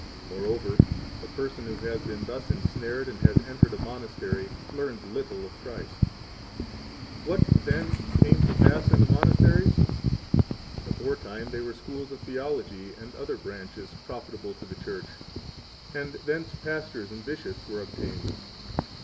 [Moreover, a person who has been thus ensnared and has entered a monastery learns little of Christ.] 15 What, then, came to pass in the monasteries? Aforetime they were schools of theology and other branches, profitable to the Church; and thence pastors and bishops were obtained.